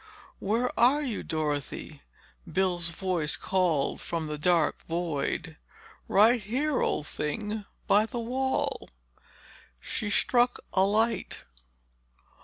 "Where are you, Dorothy?" Bill's voice called from the dark void. "Right here, old thing—by the wall." She struck a light.